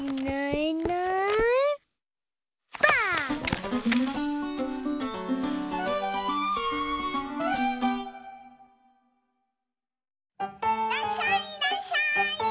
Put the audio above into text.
いらっしゃいいらっしゃい！